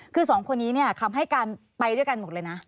คือสองคนนี้เนี่ยคำให้การไปด้วยกันหมดเลยนะ